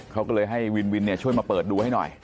เขาก็เลยให้วินวินช่วยมาเปิดดูให้หน่อย